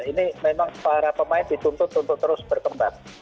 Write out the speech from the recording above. ini memang para pemain dituntut untuk terus berkembang